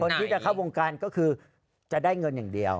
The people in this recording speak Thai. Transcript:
ที่จะเข้าวงการก็คือจะได้เงินอย่างเดียว